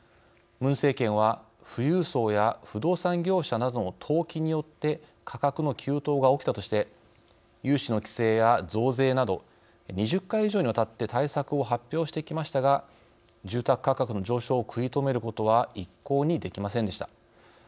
ムン政権は、富裕層や不動産業者などの投機によって価格の急騰が起きたとして融資の規制や増税など２０回以上にわたって対策を発表してきましたが住宅価格の上昇を食い止めることは一向にできませんでした。